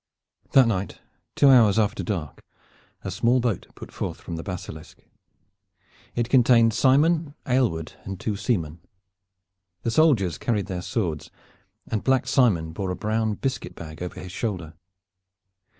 That night, two hours after dark, a small boat put forth from the Basilisk. It contained Simon, Aylward and two seamen. The soldiers carried their swords, and Black Simon bore a brown biscuit bag over his shoulder.